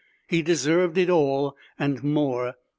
He deserved it all and more.